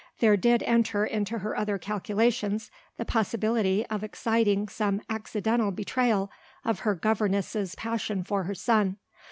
There did enter into her other calculations, the possibility of exciting some accidental betrayal of her governess's passion for her son.